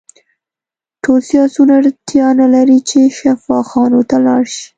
ټول سیاسیون اړتیا نلري چې شفاخانو ته لاړ شي